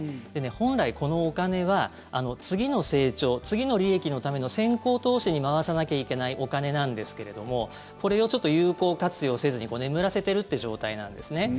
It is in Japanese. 本来、このお金は次の成長、次の利益のための先行投資に回さなきゃいけないお金なんですけれどもこれを有効活用せずに眠らせてるという状態なんです。